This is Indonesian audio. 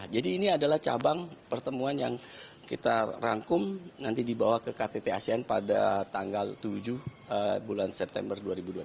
jadi ini adalah cabang pertemuan yang kita rangkum nanti dibawa ke ktt asean pada tanggal tujuh bulan september dua ribu dua puluh tiga